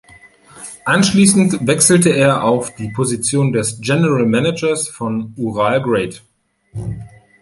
Anschließend wechselte er auf die Position des "General Managers" von Ural Great.